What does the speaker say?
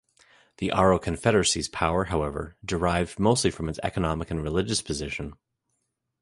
The Aro Confederacy's power, however, derived mostly from its economic and religious position.